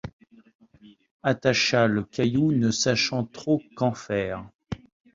Attacha le caillou, ne sachant trop qu'en faire